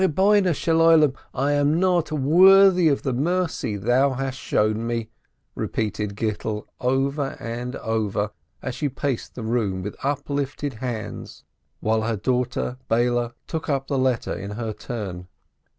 Lord of the World, I am not worthy of the mercy Thou hast shown me I" repeated Gittel over and over, as she paced the room with uplifted hands, while her daughter Beile took up the letter in her turn.